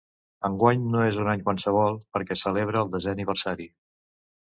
Enguany no és un any qualsevol, perquè celebra el desè aniversari.